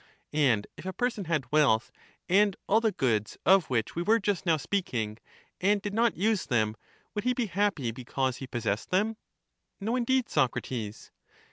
And if a person had wealth and all the goods of which we were just now speaking, and did not use them, would he be happy because he possessed them? No indeed, Socrates.